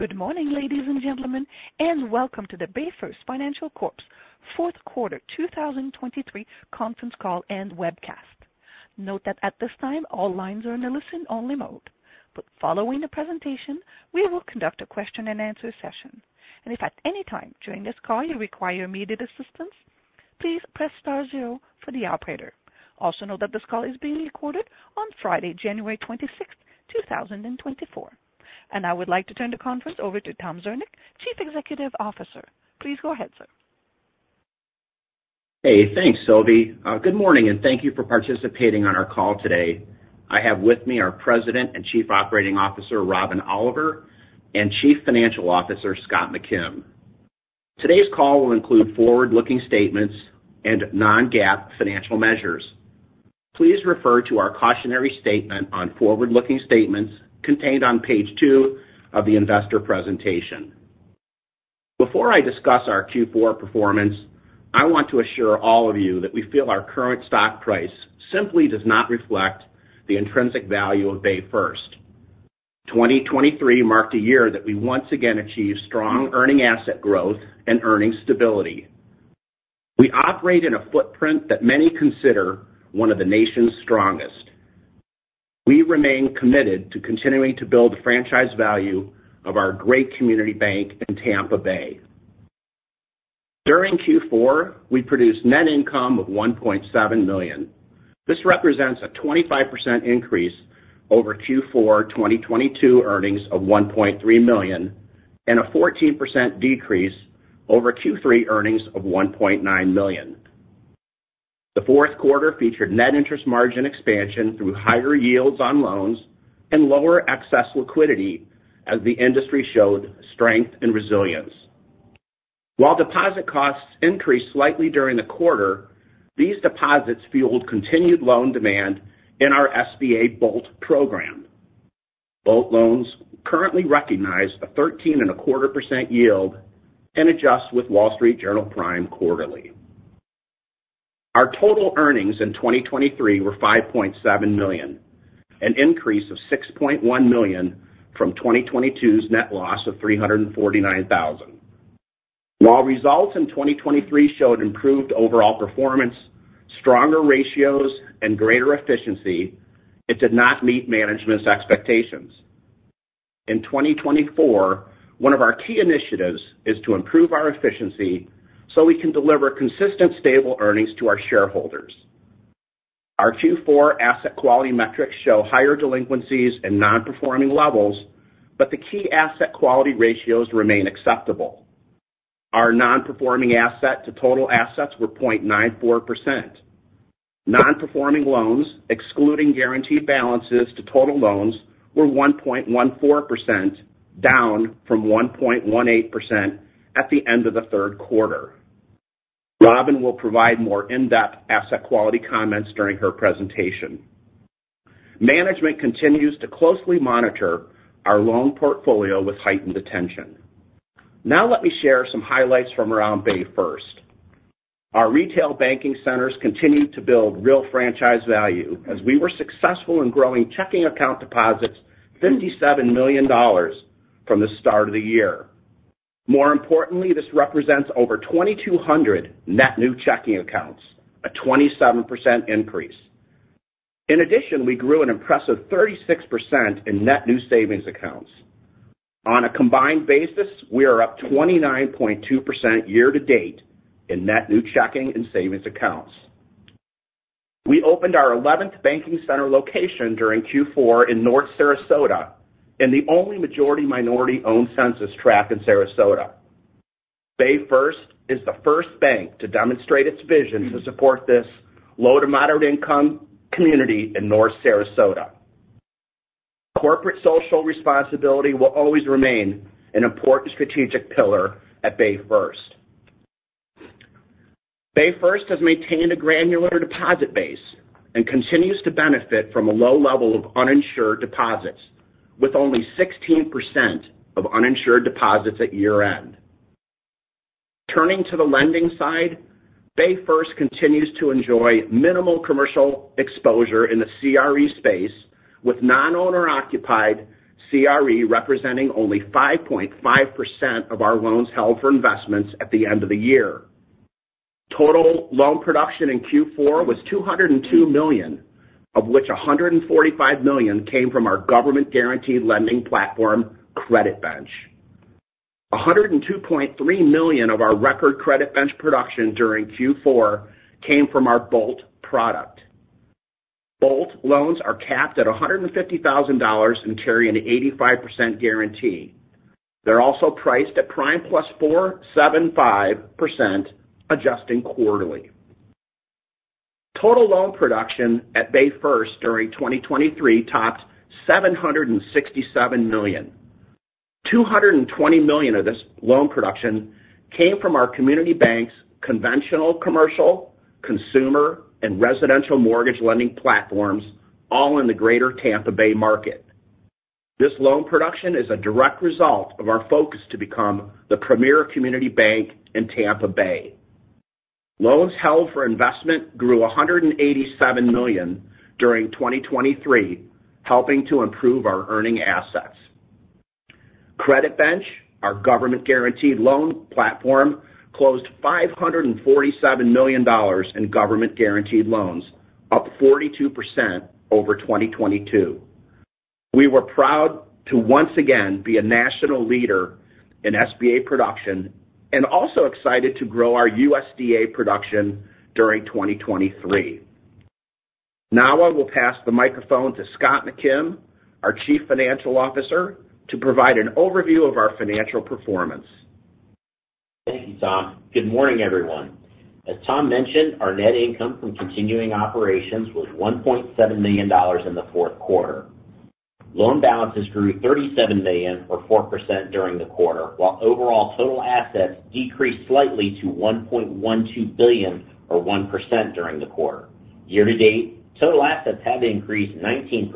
Good morning, ladies and gentlemen, and welcome to the BayFirst Financial Corp.'s fourth quarter 2023 conference call and webcast. Note that at this time, all lines are in a listen-only mode. Following the presentation, we will conduct a question and answer session. If at any time during this call you require immediate assistance, please press star zero for the operator. Also note that this call is being recorded on Friday, January 26th, 2024. I would like to turn the conference over to Tom Zernick, Chief Executive Officer. Please go ahead, sir. Hey, thanks, Sylvie. Good morning, and thank you for participating on our call today. I have with me our President and Chief Operating Officer, Robin Oliver, and Chief Financial Officer, Scott McKim. Today's call will include forward-looking statements and non-GAAP financial measures. Please refer to our cautionary statement on forward-looking statements contained on page 2 of the investor presentation. Before I discuss our Q4 performance, I want to assure all of you that we feel our current stock price simply does not reflect the intrinsic value of BayFirst. 2023 marked a year that we once again achieved strong earning asset growth and earnings stability. We operate in a footprint that many consider one of the nation's strongest. We remain committed to continuing to build the franchise value of our great community bank in Tampa Bay. During Q4, we produced net income of $1.7 million. This represents a 25% increase over Q4 2022 earnings of $1.3 million and a 14% decrease over Q3 earnings of $1.9 million. The fourth quarter featured net interest margin expansion through higher yields on loans and lower excess liquidity as the industry showed strength and resilience. While deposit costs increased slightly during the quarter, these deposits fueled continued loan demand in our SBA BOLT program. BOLT loans currently recognize a 13.25% yield and adjust with Wall Street Journal Prime quarterly. Our total earnings in 2023 were $5.7 million, an increase of $6.1 million from 2022's net loss of $349,000. While results in 2023 showed improved overall performance, stronger ratios, and greater efficiency, it did not meet management's expectations. In 2024, one of our key initiatives is to improve our efficiency so we can deliver consistent, stable earnings to our shareholders. Our Q4 asset quality metrics show higher delinquencies and non-performing levels, but the key asset quality ratios remain acceptable. Our non-performing asset to total assets were 0.94%. Non-performing loans, excluding guaranteed balances to total loans, were 1.14%, down from 1.18% at the end of the third quarter. Robin will provide more in-depth asset quality comments during her presentation. Management continues to closely monitor our loan portfolio with heightened attention. Now let me share some highlights from around BayFirst. Our retail banking centers continued to build real franchise value, as we were successful in growing checking account deposits $57 million from the start of the year. More importantly, this represents over 2,200 net new checking accounts, a 27% increase. In addition, we grew an impressive 36% in net new savings accounts. On a combined basis, we are up 29.2% year to date in net new checking and savings accounts. We opened our 11th banking center location during Q4 in North Sarasota, and the only majority minority-owned census tract in Sarasota. BayFirst is the first bank to demonstrate its vision to support this low to moderate income community in North Sarasota. Corporate social responsibility will always remain an important strategic pillar at BayFirst. BayFirst has maintained a granular deposit base and continues to benefit from a low level of uninsured deposits, with only 16% of uninsured deposits at year-end. Turning to the lending side, BayFirst continues to enjoy minimal commercial exposure in the CRE space, with non-owner-occupied CRE representing only 5.5% of our loans held for investments at the end of the year. Total loan production in Q4 was $202 million, of which $145 million came from our government-guaranteed lending platform, CreditBench. $102.3 million of our record CreditBench production during Q4 came from our BOLT product. BOLT loans are capped at $150,000 and carry an 85% guarantee. They're also priced at Prime plus 4.75%, adjusting quarterly. Total loan production at BayFirst during 2023 topped $767 million. $220 million of this loan production came from our community bank's conventional commercial, consumer, and residential mortgage lending platforms, all in the Greater Tampa Bay market. This loan production is a direct result of our focus to become the premier community bank in Tampa Bay... Loans held for investment grew $187 million during 2023, helping to improve our earning assets. CreditBench, our government-guaranteed loan platform, closed $547 million in government-guaranteed loans, up 42% over 2022. We were proud to once again be a national leader in SBA production and also excited to grow our USDA production during 2023. Now I will pass the microphone to Scott McKim, our Chief Financial Officer, to provide an overview of our financial performance. Thank you, Tom. Good morning, everyone. As Tom mentioned, our net income from continuing operations was $1.7 million in the fourth quarter. Loan balances grew $37 million, or 4% during the quarter, while overall total assets decreased slightly to $1.12 billion, or 1% during the quarter. Year to date, total assets have increased 19%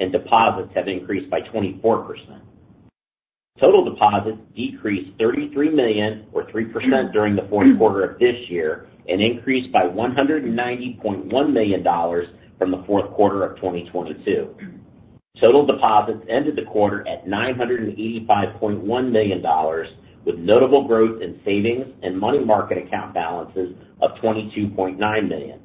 and deposits have increased by 24%. Total deposits decreased $33 million, or 3%, during the fourth quarter of this year, and increased by $190.1 million from the fourth quarter of 2022. Total deposits ended the quarter at $985.1 million, with notable growth in savings and money market account balances of $22.9 million.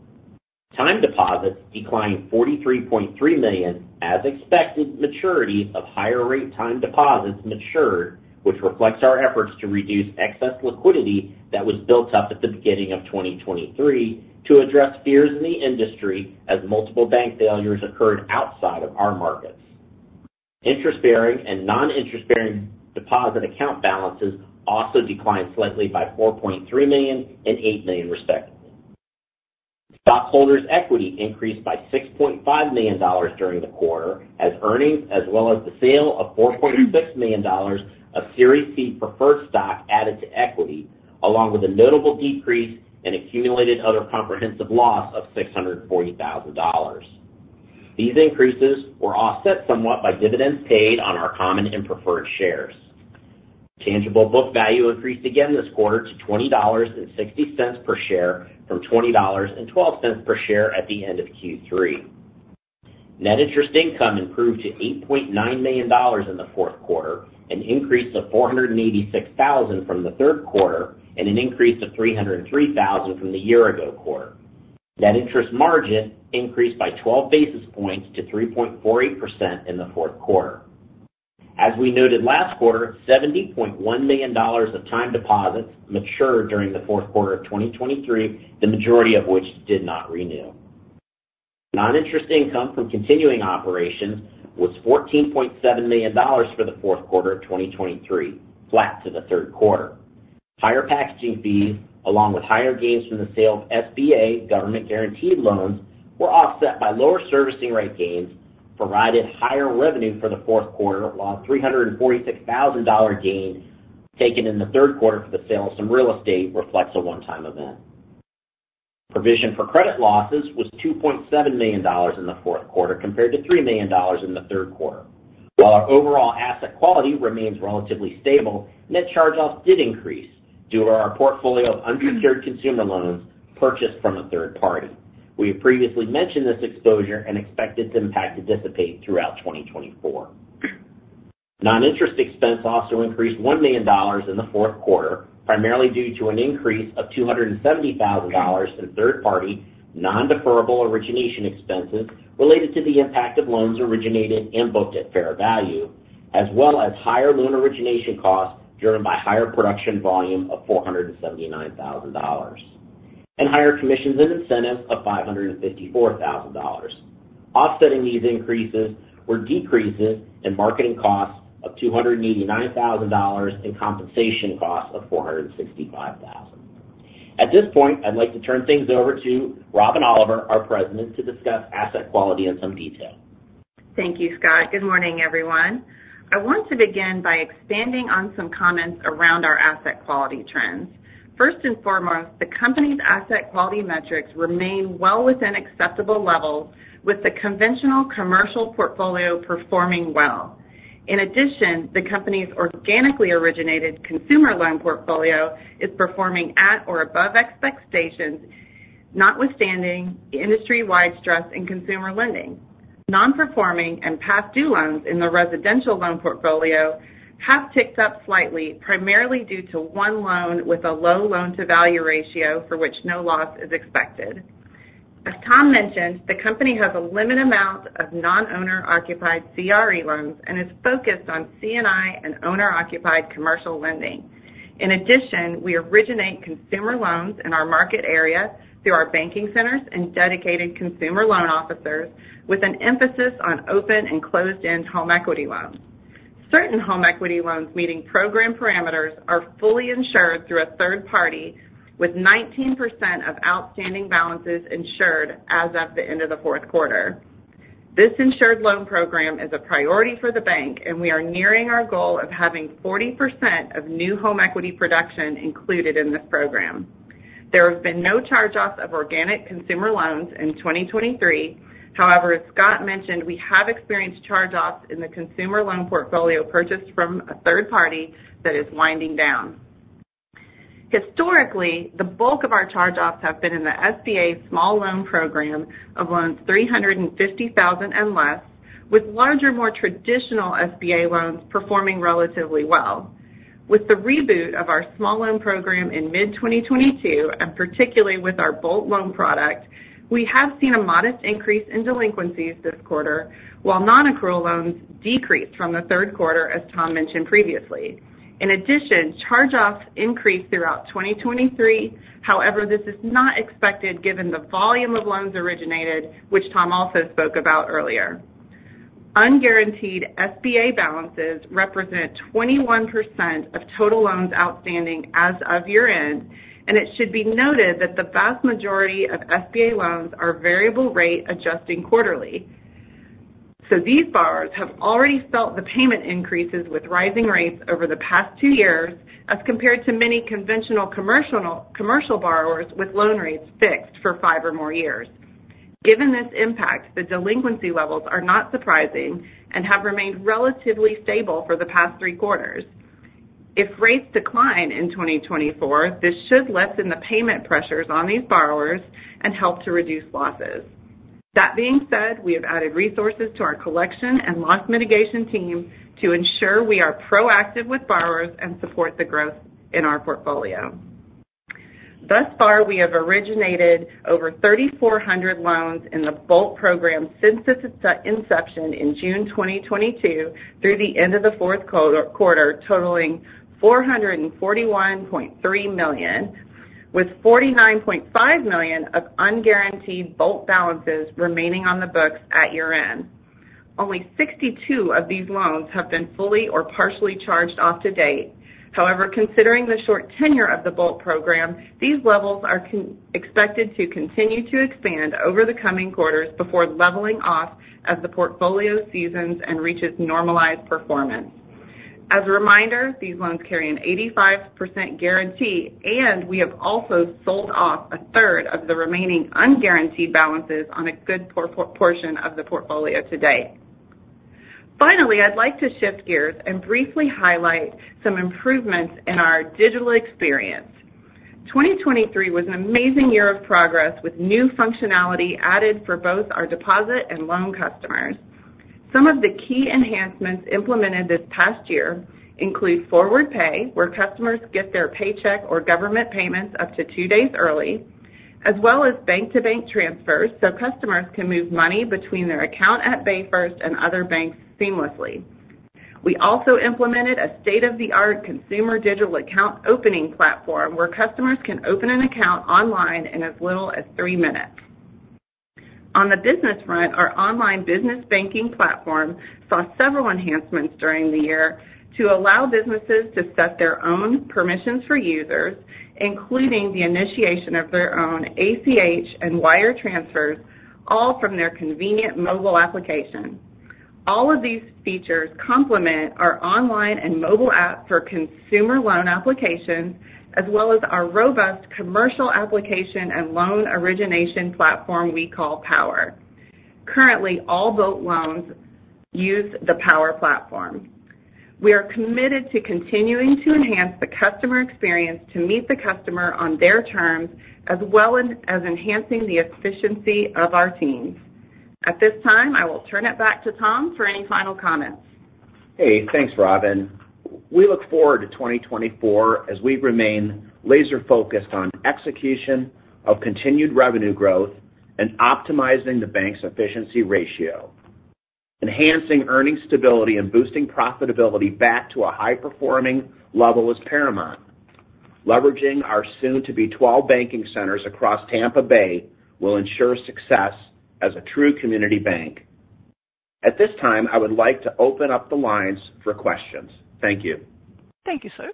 Time deposits declined $43.3 million as expected maturity of higher rate time deposits matured, which reflects our efforts to reduce excess liquidity that was built up at the beginning of 2023 to address fears in the industry as multiple bank failures occurred outside of our markets. Interest-bearing and non-interest-bearing deposit account balances also declined slightly by $4.3 million and $8 million, respectively. Stockholders' equity increased by $6.5 million during the quarter as earnings, as well as the sale of $4.6 million of Series C Preferred Stock, added to equity, along with a notable decrease in accumulated other comprehensive loss of $640,000. These increases were offset somewhat by dividends paid on our common and preferred shares. Tangible book value increased again this quarter to $20.60 per share, from $20.12 per share at the end of Q3. Net interest income improved to $8.9 million in the fourth quarter, an increase of $486,000 from the third quarter and an increase of $303,000 from the year ago quarter. Net interest margin increased by 12 basis points to 3.48% in the fourth quarter. As we noted last quarter, $70.1 million of time deposits matured during the fourth quarter of 2023, the majority of which did not renew. Non-interest income from continuing operations was $14.7 million for the fourth quarter of 2023, flat to the third quarter. Higher packaging fees, along with higher gains from the sale of SBA government-guaranteed loans, were offset by lower servicing rate gains, provided higher revenue for the fourth quarter, while a $346,000 gain taken in the third quarter for the sale of some real estate reflects a one-time event. Provision for credit losses was $2.7 million in the fourth quarter, compared to $3 million in the third quarter. While our overall asset quality remains relatively stable, net charge-offs did increase due to our portfolio of unsecured consumer loans purchased from a third party. We have previously mentioned this exposure and expect its impact to dissipate throughout 2024. Non-interest expense also increased $1 million in the fourth quarter, primarily due to an increase of $270,000 in third-party non-deferrable origination expenses related to the impact of loans originated and booked at fair value, as well as higher loan origination costs, driven by higher production volume of $479,000, and higher commissions and incentives of $554,000. Offsetting these increases were decreases in marketing costs of $289,000 and compensation costs of $465,000. At this point, I'd like to turn things over to Robin Oliver, our President, to discuss asset quality in some detail. Thank you, Scott. Good morning, everyone. I want to begin by expanding on some comments around our asset quality trends. First and foremost, the company's asset quality metrics remain well within acceptable levels, with the conventional commercial portfolio performing well. In addition, the company's organically originated consumer loan portfolio is performing at or above expectations, notwithstanding the industry-wide stress in consumer lending. Non-performing and past due loans in the residential loan portfolio have ticked up slightly, primarily due to one loan with a low loan-to-value ratio for which no loss is expected. As Tom mentioned, the company has a limited amount of non-owner occupied CRE loans and is focused on C&I and owner-occupied commercial lending. In addition, we originate consumer loans in our market area through our banking centers and dedicated consumer loan officers, with an emphasis on open and closed-end home equity loans. Certain home equity loans meeting program parameters are fully insured through a third party, with 19% of outstanding balances insured as of the end of the fourth quarter. This insured loan program is a priority for the bank, and we are nearing our goal of having 40% of new home equity production included in this program. There have been no charge-offs of organic consumer loans in 2023. However, as Scott mentioned, we have experienced charge-offs in the consumer loan portfolio purchased from a third party that is winding down. Historically, the bulk of our charge-offs have been in the SBA small loan program of loans $350,000 and less, with larger, more traditional SBA loans performing relatively well. With the reboot of our small loan program in mid-2022, and particularly with our BOLT loan product, we have seen a modest increase in delinquencies this quarter, while nonaccrual loans decreased from the third quarter, as Tom mentioned previously. In addition, charge-offs increased throughout 2023. However, this is not expected given the volume of loans originated, which Tom also spoke about earlier. Unguaranteed SBA balances represent 21% of total loans outstanding as of year-end, and it should be noted that the vast majority of SBA loans are variable rate, adjusting quarterly. So these borrowers have already felt the payment increases with rising rates over the past two years, as compared to many conventional commercial, commercial borrowers with loan rates fixed for five or more years. Given this impact, the delinquency levels are not surprising and have remained relatively stable for the past three quarters. If rates decline in 2024, this should lessen the payment pressures on these borrowers and help to reduce losses. That being said, we have added resources to our collection and loss mitigation team to ensure we are proactive with borrowers and support the growth in our portfolio. Thus far, we have originated over 3,400 loans in the BOLT program since its inception in June 2022 through the end of the fourth quarter, totaling $441.3 million, with $49.5 million of unguaranteed BOLT balances remaining on the books at year-end. Only 62 of these loans have been fully or partially charged off to date. However, considering the short tenure of the BOLT program, these levels are considered expected to continue to expand over the coming quarters before leveling off as the portfolio seasons and reaches normalized performance. As a reminder, these loans carry an 85% guarantee, and we have also sold off a third of the remaining unguaranteed balances on a good portion of the portfolio to date. Finally, I'd like to shift gears and briefly highlight some improvements in our digital experience. 2023 was an amazing year of progress, with new functionality added for both our deposit and loan customers. Some of the key enhancements implemented this past year include Forward Pay, where customers get their paycheck or government payments up to two days early, as well as bank-to-bank transfers, so customers can move money between their account at BayFirst and other banks seamlessly. We also implemented a state-of-the-art consumer digital account opening platform, where customers can open an account online in as little as three minutes. On the business front, our online business banking platform saw several enhancements during the year to allow businesses to set their own permissions for users, including the initiation of their own ACH and wire transfers, all from their convenient mobile application. All of these features complement our online and mobile app for consumer loan applications, as well as our robust commercial application and loan origination platform we call Power. Currently, all BOLT loans use the Power platform. We are committed to continuing to enhance the customer experience to meet the customer on their terms, as well as, as enhancing the efficiency of our teams. At this time, I will turn it back to Tom for any final comments. Hey, thanks, Robin. We look forward to 2024 as we remain laser-focused on execution of continued revenue growth and optimizing the bank's efficiency ratio. Enhancing earning stability and boosting profitability back to a high-performing level is paramount. Leveraging our soon-to-be 12 banking centers across Tampa Bay will ensure success as a true community bank. At this time, I would like to open up the lines for questions. Thank you. Thank you, sir.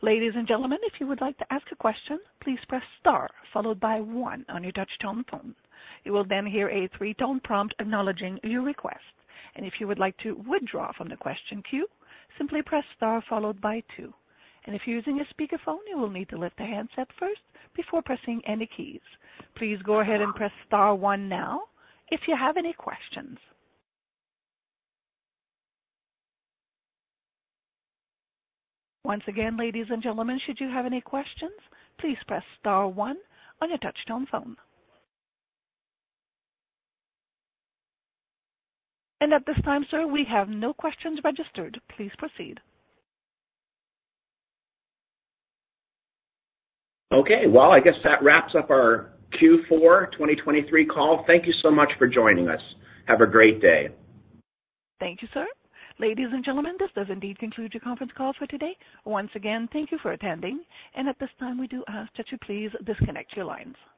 Ladies and gentlemen, if you would like to ask a question, please press star followed by one on your touchtone phone. You will then hear a three-tone prompt acknowledging your request. If you would like to withdraw from the question queue, simply press star followed by two. If you're using a speakerphone, you will need to lift the handset first before pressing any keys. Please go ahead and press star one now if you have any questions. Once again, ladies and gentlemen, should you have any questions, please press star one on your touchtone phone. At this time, sir, we have no questions registered. Please proceed. Okay, well, I guess that wraps up our Q4 2023 call. Thank you so much for joining us. Have a great day. Thank you, sir. Ladies and gentlemen, this does indeed conclude your conference call for today. Once again, thank you for attending, and at this time, we do ask that you please disconnect your lines.